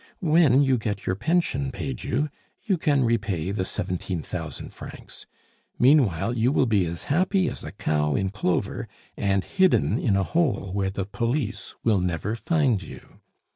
When you get your pension paid you, you can repay the seventeen thousand francs. Meanwhile you will be as happy as a cow in clover, and hidden in a hole where the police will never find you.